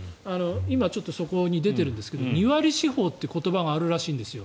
今ちょっとそこに出ているんですが２割司法という言葉があるらしいんですよ。